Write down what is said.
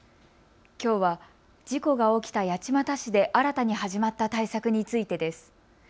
きょうは事故が起きた八街市で新たに始まった対策についてです。